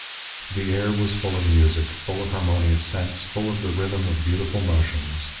"The air was full of music, full of harmonious scents, full of the rhythm of beautiful motions.